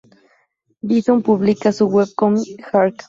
Beaton publica su webcomic, "Hark!